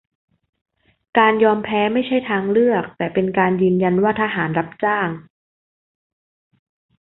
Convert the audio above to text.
การยอมแพ้ไม่ใช่ทางเลือก แต่เป็นการยืนยันว่าทหารรับจ้าง